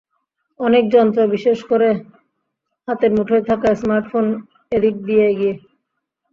অনেক যন্ত্র বিশেষ করে হাতের মুঠোয় থাকা স্মার্টফোন এদিক দিয়ে এগিয়ে।